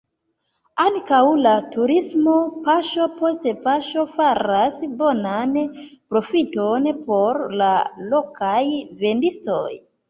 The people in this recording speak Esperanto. Ankaŭ la turismo paŝo post paŝo faras bonan profiton por la lokaj vendistoj.